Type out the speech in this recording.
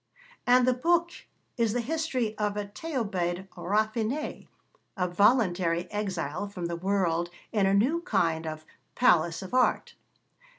And the book is the history of a Thebaïde raffinée a voluntary exile from the world in a new kind of 'Palace of Art.'